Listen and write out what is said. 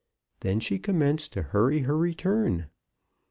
Then she commenced to hurry her return.